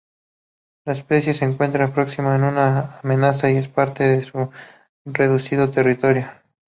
La especie se encuentra próxima a estar amenazada, en parte por su reducido territorio.